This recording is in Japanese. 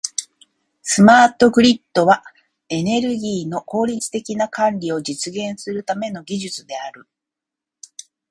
スマートグリッドは、エネルギーの効率的な管理を実現するための技術である。